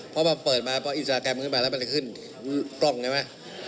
เพราะพอเปิดมาเพราะอินสตาแกรมขึ้นมาแล้วมันจะขึ้นกล้องใช่ไหม